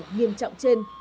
nhiềm trọng trên